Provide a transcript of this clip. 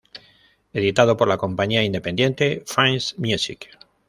Editado por la compañía independiente Fans n' Music.